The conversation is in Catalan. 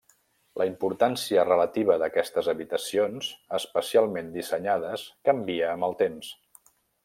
La importància relativa d'aquestes habitacions especialment dissenyades canvia amb els temps.